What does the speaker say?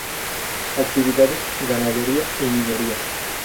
Actividades: ganadería y minería.